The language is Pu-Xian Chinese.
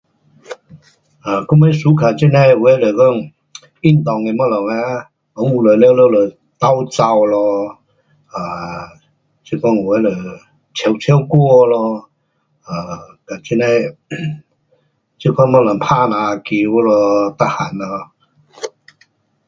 um 我们 suka 这样的有的若讲运动的东西啊，温故都全部是斗跑咯，um 是讲有的就唱唱歌咯，um 这样的，这款东西打篮球，每样咯。